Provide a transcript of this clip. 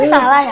kau salah ya